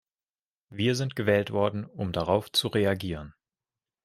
Wir sind gewählt worden, um darauf zu reagieren.